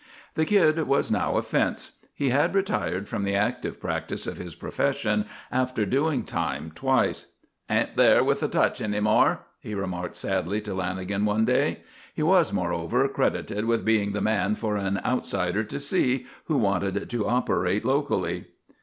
The Kid was now a fence. He had retired from the active practice of his profession after doing time twice. "Ain't there with the touch any more," he remarked sadly to Lanagan one day. He was, moreover, credited with being the man for an outsider to "see" who wanted to operate locally.